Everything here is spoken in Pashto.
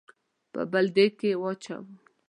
په بل دېګ کې واچوو.